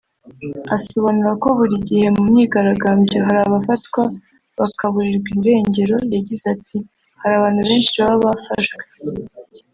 Asobanura ko buri gihe mu myigaragambyo hari abafatwa bakaburirwa irengeroYagize ati”Hari abantu benshi baba bafashwe